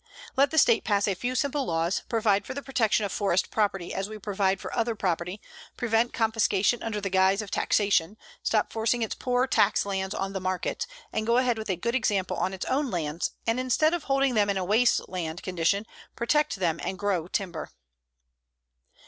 Let the State pass a few simple laws; provide for the protection of forest property as we provide for other property; prevent confiscation under the guise of taxation; stop forcing its poor tax lands on the market, and go ahead with a good example on its own lands, and instead of holding them in a waste land condition protect them and grow timber.